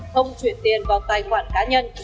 không chuyển tiền vào tài khoản cá nhân